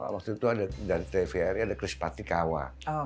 waktu itu ada dari tvri ada chris patikawa